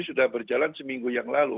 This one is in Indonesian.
sudah berjalan seminggu yang lalu